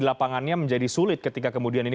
lapangannya menjadi sulit ketika kemudian ini